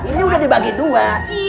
ini udah dibagi dua